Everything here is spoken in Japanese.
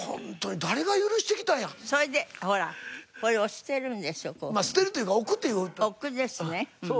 捨てるというか置くって言う。